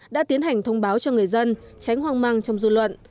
đã tiến hành thông báo cho người dân tránh hoang mang trong dư luận